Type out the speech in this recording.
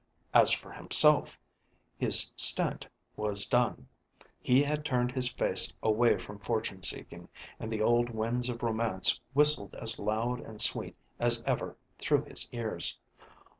As for himself, his stent was done; he had turned his face away from fortune seeking, and the old winds of romance whistled as loud and sweet as ever through his ears.